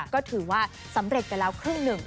ก็ถือว่าสำเร็จไปแล้วครึ่งหนึ่ง